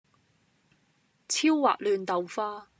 超滑嫩豆花